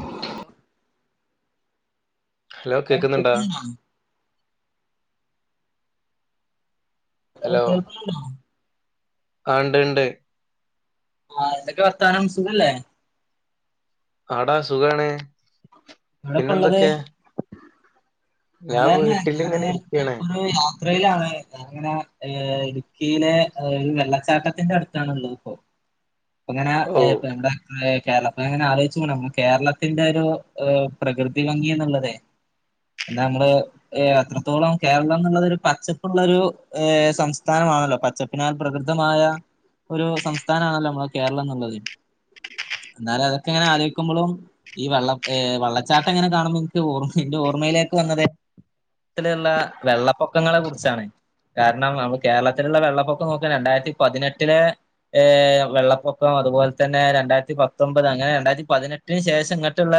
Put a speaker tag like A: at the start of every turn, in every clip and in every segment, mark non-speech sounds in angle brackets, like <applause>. A: <inaudible> Hello കേക്കുന്നുണ്ടാ
B: <unintelligible> ഹലേ കേൾക്ക്ണുണ്ടോ <unintelligible>
A: ആണ്ട്ണ്ട്
B: ആഹ്എന്തൊക്കെ വർത്താനം സുഖല്ലേ
A: ആടാ സുഖാണ്
B: ഇവിടെപ്പ
A: പിന്നെ എന്തൊക്കെ
B: അല്ലന്നെ ഞാന്
A: ഇരിക്കാണ്
B: <unintelligible> ത്രയിലാണ് ഞാനങ്ങനെ ഹ് ഇടുക്കിയിലെ <unintelligible> വെള്ളച്ചാട്ടത്തിന്റെ അടുത്താണ്ള്ളത് ഇപ്പൊ
A: <inaudible>
B: അങ്ങനെ
A: ഓ
B: <unintelligible> കേരളത്തിങ്ങനെ ആലോയ്ചിങ്ങനെ ഉം കേരളത്തിന്റെരു പ്രകൃതി ഭംഗി എന്നുള്ളതെ എന്താ നമ്മള് ഹ അത്രത്തോളം കേരളം എന്നുള്ളതു പച്ചപ്പ്ള്ളൊരു ഹ സംസ്ഥാനമാണല്ലോ പച്ചപ്പിനാൽ പ്രകൃതമായ ഒരു സംസ്ഥാനാണല്ലോ നമ്മളെ കേരളം ന്ന് ള്ളത് ന്നാലും അതൊക്കെങ്ങനെ ആലോയ്ക്കുമ്പളും ഈ വെള്ള വള്ളച്ചാട്ടങ്ങനെ കാണുമ്പോ ൻക്ക് ഓർമി ഇന്റെ ഓർമ്മയിലെ വന്നത് ത്തിലുള്ള വെള്ളപ്പൊക്കങ്ങളെ കുറിച്ചാണ് കാരണം നമ്മള് കേരളത്തിലുള്ള വെള്ളപ്പൊക്കം നോക്കാ <unintelligible> രണ്ടായിരത്തി പതിനെട്ടിലെ ഏ വെള്ളപ്പൊക്കം അതുപോലെ തന്നെ രണ്ടായിരത്തി പത്തൊമ്പത് അങ്ങനെ രണ്ടായിരത്തി പതിനെട്ടിന് ശേഷം ഇങ്ങനട്ട്ള്ള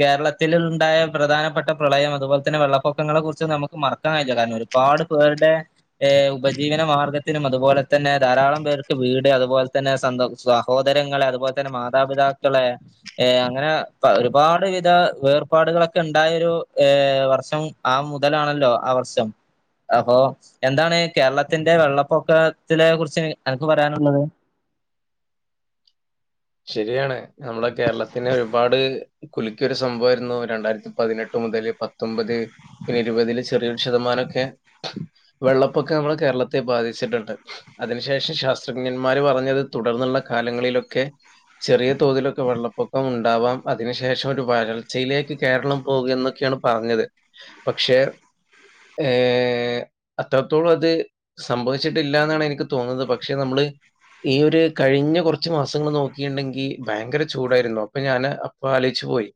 B: കേരളത്തില്ണ്ടായ പ്രധാനപ്പെട്ട പ്രളയം അതുപോലെ തന്നെ വെള്ളപ്പൊക്കങ്ങളെ കുറിച്ച് നമുക്ക് മറക്കാൻ ക <unintelligible> ല്ല കാരണം ഒരുപാട് പേരുടെ ഉപജീവന മാർഗ്ഗ ത്തിനും അതുപോലെ തന്നെ ധാരാളം പേർക്ക് വീട് അതുപോലെ തന്നെ സന്ത സഹോദരങ്ങളെ അതുപോലെ തന്നെ മാതാപിതാ താക്കളെ അങ്ങനെ പ ഒരുപാട് വിധ വേർപാടുകളൊക്കെ ഉണ്ടായൊരു ഏഹ് വർഷം ആ മുതലാണല്ലോ ആ വർഷം അപ്പൊ എന്താണ് കേരളത്തിന്റെ വെള്ളപ്പൊക്കത്തിലെ കുറിച്ച് അനക്ക് പറയാനുള്ളത്
A: ശരിയാണ് നമ്മളെ കേരളത്തിനെ ഒരുപാട് കുലിക്കെരു സംഭവായിരുന്നു രണ്ടായിരത്തി പതിനെട്ട് മുതൽ പത്തൊമ്പത് ന്നെ ഇരുപതില് ചെറിയൊരു ശതമാനൊക്കെ വെള്ളപ്പൊക്ക നമ്മളെ കേരളത്തെ ബാധിച്ചിട്ടുണ്ട് അതിനുശേഷം ശാസ്ത്രജ്ഞന്മാര് പറഞ്ഞത് തുടർന്ന് കാലങ്ങളിലൊക്കെ ചെറിയ തോതിലൊക്കെ വെള്ളപ്പൊക്കം മു ണ്ടാവാം അതിനു ശേഷം ഒരു വരൾച്ചയിലേക്ക് കേരളം പോകുക എന്നൊക്കെയാണ് പറഞ്ഞത് പക്ഷെ ഏ അത്രത്തോളം അത് സംഭവിച്ചിട്ടില്ല ന്നാണ് എനിക്ക് തോന്നുന്നെ പക്ഷെ നമ്മള് ഈ ഒരു കഴിഞ്ഞ കൊറ്ച്ച് മാസങ്ങൾ നോക്ക ണ്ടെങ്കി ഭയങ്കര ചൂടായിരുന്നു അപ്പൊ ഞാന് അപ്പ ആലോയ്ച്ചു പോയി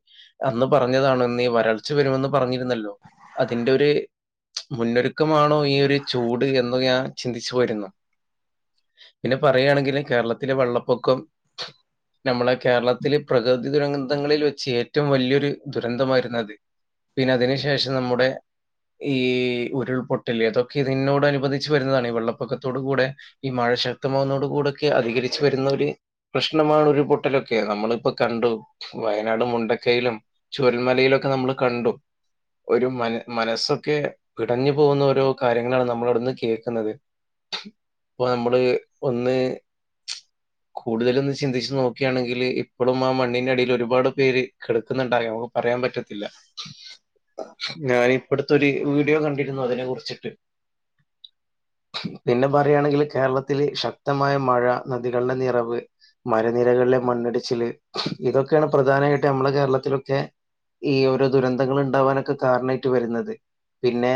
A: അന്ന് പറഞ്ഞതാണ് നീ വരൾച്ച വരുമെന്ന് പറഞ്ഞിരുന്നല്ലോ അതിന്റെ ഒരു മുന്നൊരുക്കമാണോ ഈ ഒരു ചൂട് എന്ന് ഞാൻ ചിരിച്ചു വരുന്നു പിന്നെ പറയാണെങ്കിൽ കേരളത്തിലെ വെള്ളപ്പൊക്കം നമ്മളെ കേരളത്തിലെ പ്രകൃതി ദുരന്തങ്ങളിൽ വെച്ച് ഏറ്റവും വലിയൊരു ദുരന്തമായിരുന്നു അത് പിന്നെ അതിനു ശേഷം നമ്മുടെ ഈ ഉരുൾപൊട്ടില്ലേ അതൊക്കെ ഇതിനോട് അനുബന്ധിച്ച് വരുന്നതാണ് വെള്ളപ്പൊക്കത്തോടു കൂടെ ഈ മഴ ശക്തമാവുന്നതോടു കൂടൊക്കെ അധികരിച്ചു വരുന്ന ഒര് പ്രശ്നമാണ് ഉരുൾപൊട്ടലൊക്കെ നമ്മളിപ്പം കണ്ടു വയനാട് മുണ്ടക്കയിലും ചൂരൽമലയിലൊക്കെ അത് നമ്മള് കണ്ടു ഒരു മന മനസ്സൊക്കെ പിടഞ്ഞു പോകുന്ന ഓരോ കാര്യങ്ങളാണ് നമ്മൾ അവിടുന്ന് കേക്കുന്നത് ഇപ്പൊ നമ്മള് ഒന്ന് കൂടുതലൊന്ന് ചിന്തിച്ച് നോക്കയാണെങ്കില് ഇപ്പഴും ആ മണ്ണിന്റെ അടിയില് ഒരുപാട് പേര് കിടക്കുന്നുണ്ട <unintelligible> നമുക്ക് പറയാൻ <unintelligible> പറ്റത്തില്ല ഞാന് ഇപ്പടുത്തൊരു വീഡിയോ കണ്ടിരുന്നു അതിനെ കുറിച്ചിട്ട് പിന്നെ പറയാണെങ്കില് കേരളത്തില് ശക്തമായ മഴ നദികളിലെ നിറവ് മരനിരകളിലെ മണ്ണിടിച്ചില് ഇതൊക്കെയാണ് പ്രധാനായിട്ട് നമ്മടെ കേരളത്തിലൊക്കെ ഈ ഓരോ ദുരന്തങ്ങള് ഇണ്ടാവാനൊക്കെ കാരണായിട്ട് വരുന്നത് പിന്നെ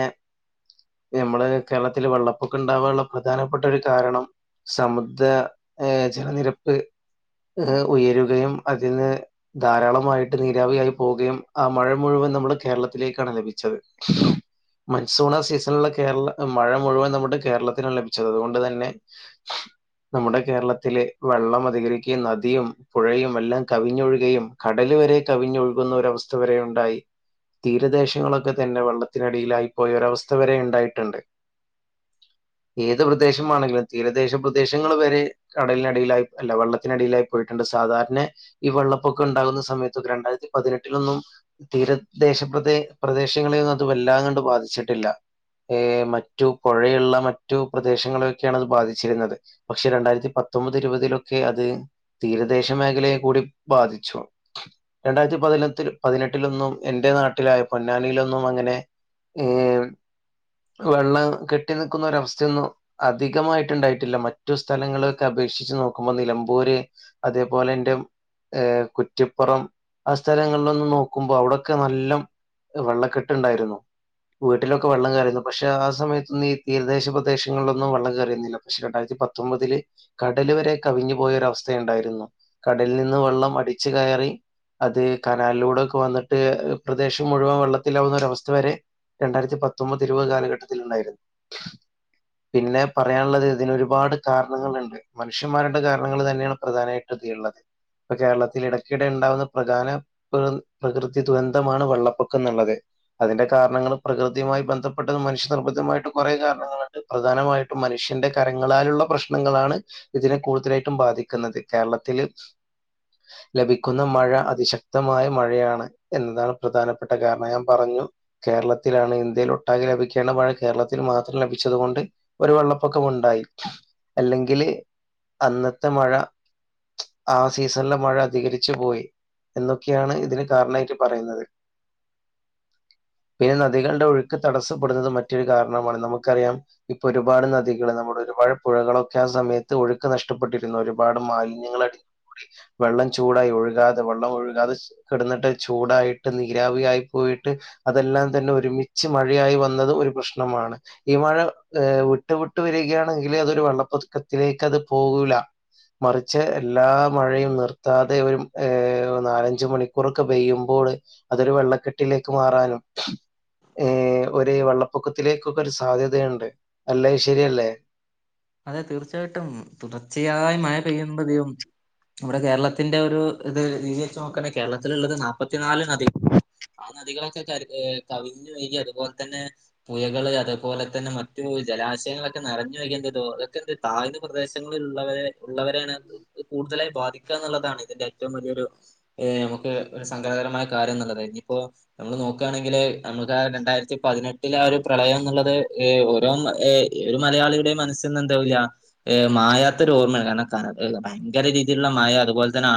A: നമ്മള് കേരളത്തില് വെള്ളപ്പൊക്കം ഇണ്ടാവാനുള്ള പ്രധാനപ്പെട്ടൊരു കാരണം സമുദ്ര ഏഹ് ജലനിരപ്പ് ഏഹ് ഉയരുകയും അതിന്ന് ധാരാളമായിട്ട് നീരാവിയായി പോവുകയും ആ മഴ മുഴുവൻ നമ്മളെ കേരളത്തിലേക്കാണ് ലഭിച്ചത് മൺസൂണ സീസണിലുള്ള കേരള മഴ മുഴുവൻ നമ്മുടെ കേരളത്തിനാണ് ലഭിച്ചത് അതുകൊണ്ട് തന്നെ നമ്മുടെ കേരളത്തില് വെള്ളം അധികരിക്കുകയും നദിയും പുഴയും എല്ലാം കവിഞ്ഞൊഴുകയും കടല് വരെ കവിഞ്ഞൊഴുകുന്ന ഒരവസ് സ്ഥ വരെ ഉണ്ടായി തീരദേശങ്ങളൊക്കെ തന്നെ വെള്ളത്തിനടിയിലായിപ്പോയ ഒരവസ്ഥ വരെ ഇണ്ടായിട്ടുണ്ട് ഏത് പ്രദേശമാണെങ്കിലും തീരദേശ പ്രദേശങ്ങള് വരെ കടല നടിയിലായി അല്ല വെള്ളത്തിനടിയിലായി പോയിട്ടുണ്ട് സാധാരണ ഈ വെള്ളപ്പൊക്കെണ്ടാകുന്ന സമയത്തൊക്കെ രണ്ടായിരത്തി പതിനെട്ടിൽ ന്നും തീരദേശപ്രദേ പ്രദേശങ്ങളെയൊന്നും അത് വെല്ലാ കണ്ട് ബാധിച്ചിട്ടില്ല ഏഹ് മറ്റു പോഴയുള്ള മറ്റു പ്രദേശങ്ങളെയൊക്കെയാണ് അത് ബാധിച്ചിരുന്നത് പക്ഷെ രണ്ടായിരത്തി പത്ത് ത്തൊമ്പത് ഇരുപതിലൊക്കെ അത് തീരദേശ മേഖലയെ കൂടി ബാധിച്ചു. രണ്ടായിരത്തി പതിനെത്തി പതിനെട്ടിലൊന്നും എന്റെ നാട്ടിലായ പൊന്നാനിയിലൊന്നും അങ്ങനെ ഏഹ്. വെള്ളം കെട്ടി നിക്കുന്ന ഒരവസ്ഥയൊന്നും അധികമായിട്ടുണ്ടായിട്ടില്ല മറ്റു സ്ഥലങ്ങള് ക്കപേക്ഷിച്ച് നോക്കുമ്പോ നിലമ്പൂര് അതേപോലെ എന്റെ ഏർ കുറ്റിപ്പുറം ആ സ്ഥലങ്ങളിലൊന്നും നോക്കുമ്പോ അവിടൊക്കെ നല്ല വെള്ള കെട്ടുണ്ടായിരുന്നു. വീട്ടിലൊക്കെ വെള്ളം കയറിയിയുന്നു പക്ഷെ ആ സമയത്തൊന്നും ഈ തീരദേശ പ്രദേശങ്ങളിലൊന്നും വെള്ളം കയറുന്നില്ല പക്ഷെ രണ്ടായിരത്തി പത്തൊമ്പതില് കടല് വരെ കവിഞ്ഞു പോയൊരവസ്ഥയ ഇണ്ടായിരുന്നു കടലിൽ നിന്ന് വെള്ളം അടിച്ചു കയറി അത് കനാലിലൂടോക്കെ വന്നിട്ട് പ്രദേശം മുഴുവൻ വെള്ളത്തിലാവുന്ന ഒരവസ്ഥ വരെ രണ്ടായിരത്തി പത്തൊമ്പത് ഇരുപത് കാലഘട്ടത്തി ഇണ്ടായിരുന്നു. പിന്നെ പറയാനുള്ളത് ഇതിനൊരുപാട് കാരണങ്ങളുണ്ട്. മനുഷ്യന്മാരുടെ കാരണങ്ങൾ തന്നെയാണ് പ്രധാനമായിട്ടും തീ ഉള്ളത്. ഇപ്പൊ കേരളത്തിൽ ഇടക്കിടെ ഇണ്ടാവുന്ന പ്രധാന പ്ര പ്രകൃതി ദുരന്തമാണ് വെള്ളപ്പൊക്കം എന്നുള്ളത്. അതിന്റെ കാരണങ്ങൾ പ്രകൃതിയുമായി ബന്ധപ്പെട്ടത് മനുഷ്യ നിർബന്ധമായിട്ട് കുറെ കാരണങ്ങളുണ്ട് പ്രധാനമായിട്ടും മ മനുഷ്യന്റെ കരങ്ങളാലുള്ള പ്രശ്നങ്ങളാണ്. ഇതിനെ കൂടുതലായിട്ടും ബാധിക്കുന്നത് കേരളത്തില് ലഭിക്കുന്ന മഴ അതിശക്തമായ മഴയാണ് എന്നതാണ് പ്രധാനപ്പെട്ട കാരണം ഞാൻ പറഞ് ഞ്ഞു കേരളത്തിലാണ് ഇന്ത്യയിൽ ഒട്ടാകെ ലഭിക്കുകയാണ് പഴ കേരളത്തിൽ മാത്രം ലഭിച്ചത് കൊണ്ട് ഒരു വെള്ളപ്പൊക്ക ക്കമുണ്ടായി അല്ലെങ്കില് അന്നത്തെ മഴ ആ സീസണിലെ മഴ അധികരിച്ചു പോയി എന്നൊക്കെയാണ് ഇതിന് കാരണായിട്ട് പറയുന്നത്. <inaudible> പിന്നെ നദികളുടെ ഒഴുക്ക് തടസ്സപ്പെടുന്നത് മറ്റൊരു കാരണമാണ് നമുക്കറിയാം ഇപ്പൊ ഒരുപാട് നദികള് നമ്മുടെ ഒരുപാട് പുഴകളൊക്കെ ആ സമയത്ത് ഒഴുക്ക് നഷ്ടപ്പെട്ടിരുന്നു ഒരുപാട് മാലിന്യങ്ങൾ അടിഞ്ഞുകൂടി വെള്ളം ചൂടായി ഒഴുകാതെ വെള്ളം ഒഴുകാതെ കിടുന്നിട്ട് ചൂടായിട്ട് നീരാവ ആായി പോയിട്ട് അതെല്ലാം തന്നെ ഒരുമിച്ച് മഴയായി വന്നത് ഒരു പ്രശ്നമാണ് ഈ മഴ വിട്ടു വിട്ട് വ- ചെയ്യാണെങ്കിൽ അതൊരു വെള്ളപ്പൊതുക്കത്തിലേക്ക് അത് പോകൂല മറിച്ച് എല്ലാ മഴയും നിർത്താതെ ഒരു ഏ നാലഞ്ച് മണിക്കൂറൊക്കെ പെയ്യുമ്പോൾ പോള് അതൊരു വെള്ളക്കെട്ടിലേക്ക് മാറാനും ഏർ ഒ വെള്ളപ്പൊക്കത്തിലേക്കൊക്കെ ഒരു സാധ്യതയുണ്ട് അല്ല ശരിയല്ലേ
B: അതെ തീർച്ചയായിട്ടും തുടർച്ചയായി മഴ പെയ്യണ്ടതും നമ്മടെ കേരളത്തിന്റെ ഒരു ഇത് രീതി വെച്ച നോക്കണെ കേരളത്തിലള്ളത് നാല്പ്പത്തി നാല് നദിക ആ നദികളൊക്കെ ക കവിഞ്ഞു വഴകി അതുപോലെ തന്നെ പുഴകള് അതുേപോലെ തന്നെ മറ്റു ജലാശയങ്ങളൊക്കെ നിറഞ്ഞു വയ്ക്ക അത അതൊക്കെ എന്ത് താഴ്ന്ന പ്രദേശങ്ങളിൽ ഉള്ളവരെ ഉള്ളവരാണ് കൂടുതലായി ബാധിക്കുക എന്നുള്ളതാണ് ഇതിന്റെറെ ഏറ്റവും വലിയരു നമക്ക് സങ്കടകരമായ കാര്യം എന്നുള്ളത് ഇനിയിപ്പോ നമ്മള് നോക്കുകയാണെങ്കിൽ മ രണ്ടായിരത്തി പതിനെട്ടില ആ ഒരു പ്രളയം എന്നുള്ളത് ഓരോ ഒരു മലയാളിയുടെ മനസ് എന്ത മായാത്ത രോപമ കണം ഭയങ്കരീതിയിലുള്ള മഴ അതുപലെന്നെ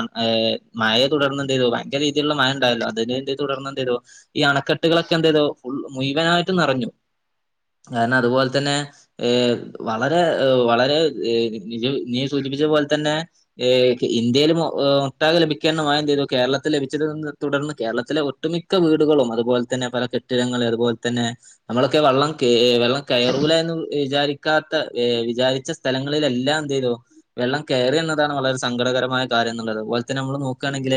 B: മഴയെ തുടർന്നുണ്ടോ ഭയങ്കരീതിയിലുള്ള മ ആ ഉണ്ടല്ലോ അതിന്ടന്ന് എന്തേോ ഈ അണക്കെുകളൊക്കെ എന്തേോ ഫു മുഴവനായിട്ട് നിറഞ്ഞു കാരണം അതുപോലെ തന്നെ ഏഹ വളരെ് വളരെ നീ സൂചിപ്പിച്ച പോലെ തന്നെ ഇന്ത്യയിലും ഒട്ടാക ലഭിക്ക മയ ചെയ്തു കേരളത്തിൽ ലഭിച്ചതിനെ തുടർന്ന് കേരളത്തിലെ ഒട്ടുമിക്ക വീടുകളും അതുപോലെ തന്നെ പല കെട്ടിടങ്ങൾ അതുപോലെ തന്നെ നമ്മളൊക്കെ വെള്ളം വെള്ളം കയറല എന്ന് വിചാരിക്ക <unintelligible> വിചാരിച്ച സ്ഥലങ്ങളിലെല്ലാം എന്തേയ്തു വെള്ളം കയറി എന്നതാണ് വളരെ സങ്കടകരമായ കാര്യം അത്പോലെ തന്നെ നമ്മൾ നോക്കുകയാണെങ്കിൽ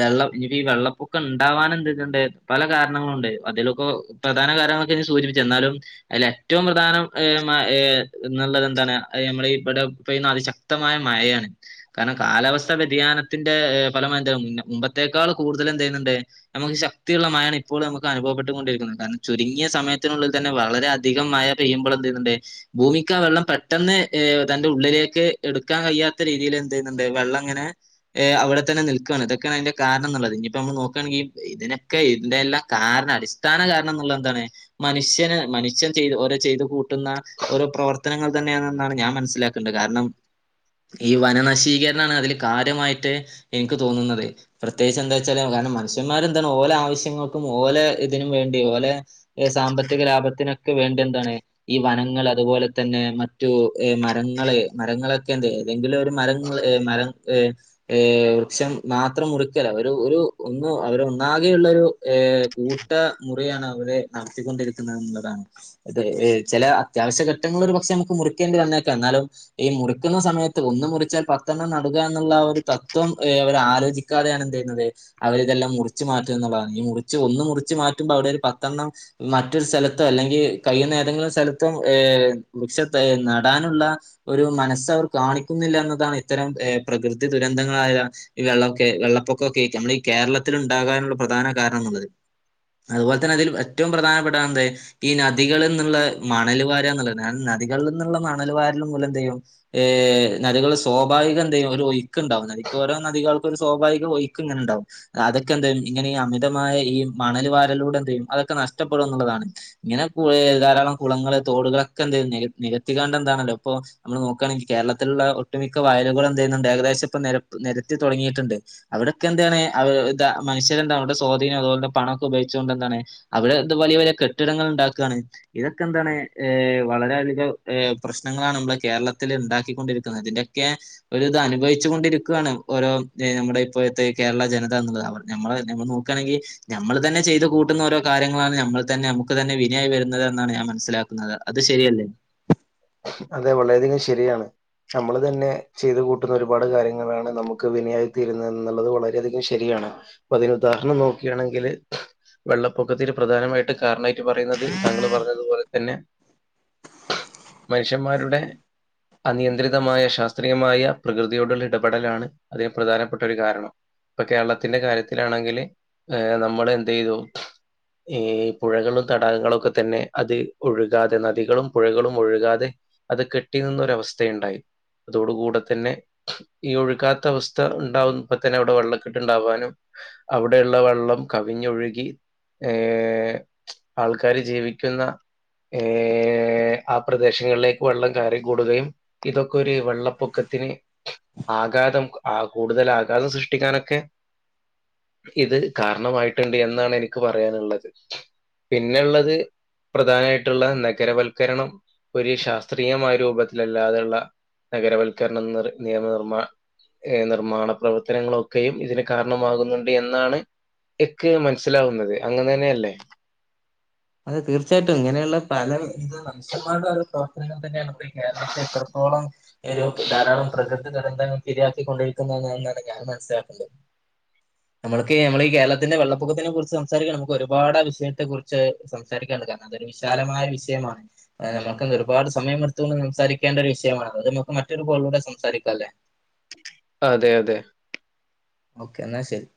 B: വെള്ളം ഈ വെള്ളപ്പൊക്കെ ഉണ്ടാവാൻ ഇണ്ട് പല കാരണങ്ങൾ ണ്ട് അതിലൊക്കെ പ്രധാന കാരണങ്ങളൊക്കെ ജ്ജ് സൂചിപ്പിച്ച് ഇന്നാലും അതിൽ ഏറ്റോം പ്രധാനം ന്നുള്ളത് എന്താണ് നമ്മുടെ ഇവിടെ അതിശക്തമായ മയയാണ് കാരണം കാലാവസ്ഥ വ്യതിയാ യാനത്തിന്റെ ഫലമായിട്ട് പിന്നെ മുമ്പത്തേക്കാൾ കൂടുതല് എന്തേയ്യുന്നുണ്ട് നമുക്ക് ശക്തിയുള്ള മഴയാണ് ഇപ്പോൾ നമുക്ക് അനുഭവപ്പെട്ടുകൊണ്ടിരിക്കുന്നത് കാരണം ചുരുങ്ങിയ സമയത്തിനുള്ളിൽ തന്നെ വളരെയധികം മയ പെയ്യുമ്പോൾ എന്തെയ്യുന്നുണ്ട് ഭൂമിക്ക് ആ വെള്ളം പെട്ടെന്ന് തന്റെ ഉള്ളിലേക്ക് എടുക്കാൻ കയ്യാ രീതിയിൽ എന്തെയ്യുന്നുണ്ട് വെള്ളം അങ്ങനെ അവിടെതെന്നെ നിൽക്കാണ് ഇതൊക്കെയാണ് അതിന്റെ കാരണംന്നുള്ളത് ഇനിയിപ്പോ നമ്മൾ നോക്കുകയാണെങ്കിൽ ഇതിനൊക്കെ ഇതിന്റെ എല്ലാം കാരണം അടിസ്ഥാന കാരണംന്നുള്ളത് എന്താണ് മനുഷ്യന് മനുഷ്യൻ ചെയ്ത് ഓരോ ചെയ്ത് കൂട്ടുന്ന ഓരോ പ്രവർത്തനങ്ങൾ തന്നെയാണെന്നാണ് ഞാൻ മനസ്സിലാക്കണ്ടത് കാരണം ഈ വനനശീകരണാണ് അതില് കാര്യമായിട്ട് എനിക്ക് തോന്നുന്നത് പ്രത്യേകിച്ച് എന്തച്ചാല് കാരണം മനുഷ്യന്മാര് എന്താണ് ഓലെ ആവശ്യങ്ങൾക്കും ഓലെ ഇതിനും വേണ്ടി ഓലെ സാമ്പത്തിക ലാഭത്തിനും വേണ്ടി എന്താണ് ഈ വനങ്ങൾ അതുപോലെ തന്നെ മറ്റു മരങ്ങള് മരങ്ങളൊക്കെ എന്ത് ഏതെങ്കിലും ഒരു മരങ്ങൾ മരം ഏ ഏ വൃക്ഷം മാത്രം മുറക്കല ഒരു ഒരു ഒന്ന് അവരൊന്നാകെയുള്ള ഒരു ഏ കൂട്ട മുറിയാണ് അവര് നടത്തിക്കൊണ്ടിരിക്കുന്നത് ന്നുള്ളതാണ് ഇതേ ഏ ചില അത്യാവശ്യ ഘട്ടങ്ങളിൽ ഒരു പക്ഷെ നമുക്ക് മുറിക്കേണ്ടി വന്നേക്കാം എന്നാലും ഈ മുറിക്കുന്ന സമയത്ത് ഒന്ന് മുറിച്ചാൽ പത്തെെണ്ണം നടു ക ന്നുള്ള ഒരു തത്വം അവര് ആലോചിക്കാതെയാണ് എന്ത് ചെയ്യുന്നത് അവരിതെല്ലാം മുറിച്ച് മാറ്റു ന്നുള്ളതാണ് ഈ മുറിച്ച് ഒന്ന് മുറിച്ച് മാറ്റുമ്പോ അവിടെ ഒരു പത്തെെണ്ണം മറ്റൊരു സ്ഥലത്ത് അല്ലെങ്കിൽ കയ്യുന്ന ഏതെങ്കിലും സ്ഥലത്ത് ഈ വൃക്ഷ തൈ നടാനുള്ള ഒരു മനസ്സ് അവര് കാണിക്കുന്നില്ല എന്നതാണ് ഇത്തരം പ്രകൃതി ദുരന്തങ്ങളായ ഈ വെള്ളൊക്കെ വെള്ളപ്പൊക്കൊക്കെ നമ്മൾ ഈ കേരളത്തില് ഉണ്ടാകാനുള്ള പ്രധാന കാരണാണ്ത് അതുപോലെ തന്നെ അതിൽ ഏറ്റോം പ്രധാനപ്പെട്ട ആണെന്ത് ഈ നദികളിൽന്ന്ള്ള മണൽ വാരാന്നുള്ളത് കാരണം നദികളിൽ നിന്നുള്ള മണൽവാരൽ മൂലം എന്തെയ്യും ഏഹ് നദികൾ സ്വാഭാവിക എന്തെയ്യും ഒരു ഒയ്ക്ക് ഉണ്ടാകും നദിക്ക് ഓരോ നദികൾ ഒരു സ്വാഭാവിക ഒയ്ക്ക് ഇങ്ങനെ ഇണ്ടാകും അതൊക്കെന്തെയ്യും ഇങ്ങനെ ഈ അമിതമായ ഈ മണൽ വാരലൂടെ എന്തെയ്യും നഷ്ടപ്പെടുന്നുള്ളതാണ് ഇങ്ങനെ ധാരാളം കുളങ്ങള് തോടുകളൊക്കെന്ത്‌ നികത്തിക്കാണ്ട്ന്താണല്ലോ ഇപ്പോ നമ്മള് നോക്കുകയാണെങ്കിൽ കേരളത്തിലുള്ള ഒട്ടുമിക്ക വ വയലുകൾ എന്തെയ്യുന്നുണ്ട് ഏകദേശം ഇപ്പം നിരപ്പ് നിരത്തി തുടങ്ങിട്ടുണ്ട് അവിടൊക്കെ എന്താണ് മനുഷ്യര് ഏതാ ടെ സ്വാധീനം അതുപോലെെ പണൊക്കെ ഉപയിച്ചു കൊണ്ട് എന്താണ് അവിടെ വലിയ വലിയ കെട്ടിടങ്ങൾ ഉണ്ടാക്കുകാണ് ഇ ന്താണ് വളരെയധികം പ്രശ്നങ്ങളാണ് മ്മളെ കേരളത്തിൽ ഇണ്ടാക്കിക്കൊണ്ടിരിക്കുന്നത് അതിന്റൊക്കെ ഒരു ഇത് അനുഭവിച്ചു കൊണ്ടിരിക്കുകാണ് ഓരോ നമ്മുടെ ഇപ്പോഴത്തെ കേരള ജനതാന്നുള്ളത് ഞമ്മൾ ഞമ്മ നോക്കുകയാണെങ്കിൽ ഞമ്മള് തന്നെ ചെയ്ത് കൂട്ടുന്ന ഓരോ കാര്യങ്ങളാണ് നമ്മൾ തന്നെ നമുക്ക് തന്നെ വിനയായി വരു തെന്നാണ് ഞാൻ മനസ്സിലാക്കുന്നത് അത് ശരിയല്ലേ
A: അതെ വളരേ ശരിയാണ് നമ്മള് തന്നെ ചെയ്ത് കൂട്ടുന്ന ഒരുപാട് കാര്യങ്ങളാണ് നമുക്ക് വിനയായി തീരുന്നത് എന്നുള്ളത് വളരെയധികം ശരിയാണ് അപ്പൊ അതിന് ഉദാഹരണം നോക്കാണെങ്കില് വെള്ളപ്പൊക്കത്തിൽ പ്രധാനമായിട്ട് കാരണായിട്ട് പറയുന്നത് താങ്കൾ പറഞ്ഞതുപോലെ തന്നെ മനുഷ്യന്മാരുടെ അനിയന്ത്രിതമായ ശാസ്ത്രീയമായ പ്രകൃതിയോടുള്ള ഇടപെടലാണ് അതേ പ്രധാനപ്പെട്ട ഒരു കാരണം ഇപ്പൊ കേരളത്തിന്റെ കാര്യത്തിലാണെങ്കില് നമ്മള് എന്തെയ്തു ഈ പുഴകളും തടാകങ്ങളൊക്കെ തന്നെ അത് ഒഴുകാതെ നദികളും പുഴകളും ഒഴുകാതെ അത് കെട്ടി നിന്നൊരവസ്ഥയുണ്ടായി അതോട് കൂടെ തന്നെ ഈ ഒഴുകാത്ത അവസ്ഥ ഉണ്ടാവുമ്പ തന്നെ അവിടെ വെള്ളക്കെട്ട് ഉണ്ടാവാനും അവിടെയുള്ള വെള്ളം കവിഞ്ഞൊഴുകി ഏ ആൾക്കാര് ജീവിക്കുന്ന ഏ ആ പ്രദേശങ്ങളിലേക്ക് വെള്ളം കയറി കൂടുകയും ഇതൊക്കെ ഒരു വെള്ളപ്പൊക്കത്തിന് ആഘ കൂടുതൽ ആഘാതം സൃഷ്ടിക്കാനൊക്കെ ഇത് കാരണമായിട്ടിണ്ട് എന്നാണ് എനിക്ക് പറയാനിള്ളത് പിന്നെള്ളത് പ്രധാനായിട്ടുള്ള നഗരവൽക്കരണം ഒരു ശാസ്ത്രീയമായ രൂപത്തിലല്ലാതെയുള്ള നഗരവൽക്കരണം നി നിയമനിർമമാ ർ നിർമ്മാണ പ്രവർത്തനങ്ങളൊക്കെയും ഇതിന് കാരണമാകുന്നുണ്ട് എന്നാണ് എക്ക മനസ്സിലാവുന്നത് അങ്ങന തന്നെയ അല്ലേ
B: അത തീർച്ചയായിട്ടും ഇങ്ങനെയുള്ള പലശ പ്രവർത്തനങ്ങൾ തന്നെയാണ് കേരളത്തെ എത്രത്തോളം ധാരാളം പ്രകൃ ദരന്തങ്ങൾക്ക ഇരിയാക്കി കൊണ്ടിരിക്കുന്നത എന്നാണ് ഞാൻ മനസ്സിലാക്കണ്ടുന്നത് നമ്മുക്ക്ഈ നമ്മള ഈ കേരളത്തിന്റെ വെള്ളപ്പൊക്കത്തിനെ കുറിച്ച് സംസാരിക്കണം നമുക്ക് ഒരുപാട് ആ വിഷയത്തെ കുറിച്ച് സംസാരിക്കാണ്ട് കാരണം അതൊരു വിശാലമായ വിഷയമാണ് നമുക്ക് ഒരുപാട് സമയ എടുത്തുകൊണ്ട് സംസാരിക്കേണ്ട ഒരും വിഷയത് നമു മറ്റൊരുോലൂടെ സംാാംല്ലേ
A: അതെ അതെ
B: ഓക്കെ എന്നാ ശരി